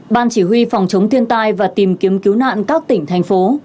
ban chỉ huy phòng chống thiên tai và tìm kiếm cứu nạn các tỉnh thành phố